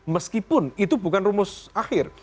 meskipun itu bukan rumus akhir